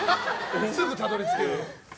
すぐたどり着く。